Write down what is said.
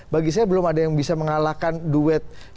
bagi saya belum ada yang bisa mengalahkan duet